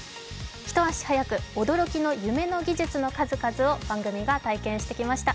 一足早く、驚きの夢の技術の数々を番組が体験してきました。